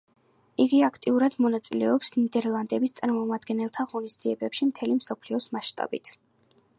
იგი აქტიურად მონაწილეობს ნიდერლანდების წარმომადგენელთა ღონისძიებებში მთელი მსოფლიოს მასშტაბით.